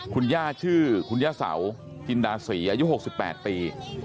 คุณย่าชื่อคุณย่าเสาจินดาศรีอายุ๖๘ปี